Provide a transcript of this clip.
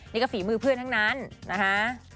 นี่ก็ฝีมือเพื่อนทั้งนั้นนะคะ